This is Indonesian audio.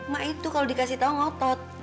mak itu kalo dikasih tau ngotot